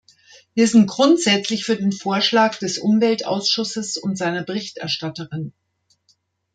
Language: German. Wir sind grundsätzlich für den Vorschlag des Umweltausschusses und seiner Berichterstatterin.